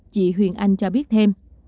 chị huyền anh cho biết thêm